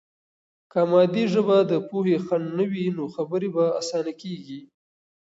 که مادي ژبه د پوهې خنډ نه وي، نو خبرې به آسانه کیږي.